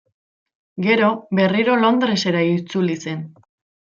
Gero berriro Londresa itzuli zen.